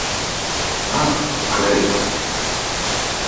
Ah, traître !